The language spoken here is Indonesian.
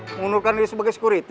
mengundurkan diri sebagai security